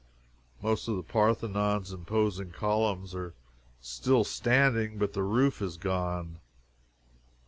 Most of the Parthenon's imposing columns are still standing, but the roof is gone.